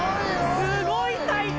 すごい大会！